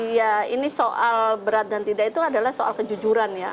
ya ini soal berat dan tidak itu adalah soal kejujuran ya